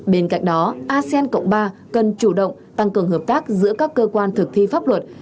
bên cạnh đó asean cộng ba cần chủ động tăng cường hợp tác giữa các cơ quan thực thi pháp luật